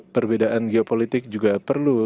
perbedaan geopolitik juga perlu